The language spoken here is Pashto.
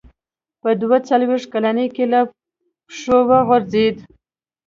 په دوه څلوېښت کلنۍ کې له پښو وغورځېد.